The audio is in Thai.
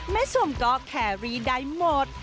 ชมก็แครรี่ได้หมด